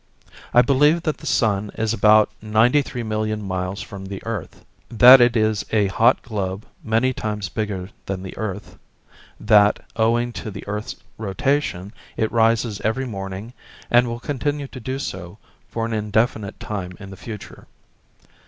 I believe that the sun is about ninety three million miles from the earth; that it is a hot globe many times bigger than the earth; that, owing to the earth's rotation, it rises every morning, and will continue to do so for an indefinite time in the future.